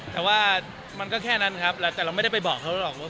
แต่ว่ามันก็แค่นั้นครับแต่เราไม่ได้ไปบอกเขาหรอกว่า